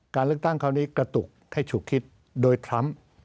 การเลือกตั้งคราวนี้กระตุกให้ฉุกคิดโดยทรัมป์